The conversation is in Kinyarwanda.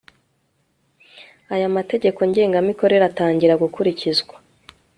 aya mategeko ngengamikorere atangira gukurikzwa